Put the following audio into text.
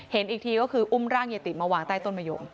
เห็นอีกทีก็คืออุ้มร่างยายติมาวางใต้ต้นมะยม